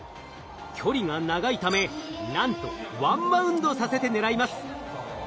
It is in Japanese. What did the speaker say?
距離が長いためなんとワンバウンドさせて狙います。